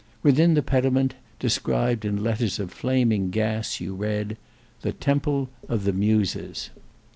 Within the pediment, described in letters of flaming gas, you read, "THE TEMPLE OF THE MUSES."